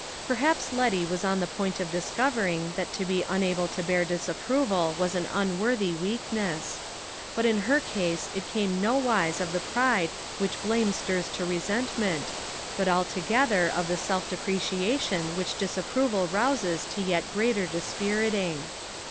Perhaps Letty was on the point of discovering that to be unable to bear disapproval was an unworthy weakness. But in her case it came nowise of the pride which blame stirs to resentment, but altogether of the self depreciation which disapproval rouses to yet greater dispiriting.